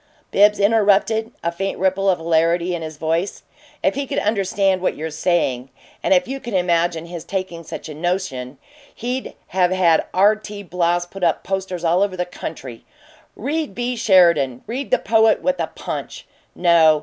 Bibbs interrupted, a faint ripple of hilarity in his voice. "If he could understand what you're saying and if you can imagine his taking such a notion, he'd have had R. T. Bloss put up posters all over the country: 'Read B. Sheridan. Read the Poet with a Punch!' No.